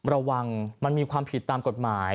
มันมีความผิดตามกฎหมาย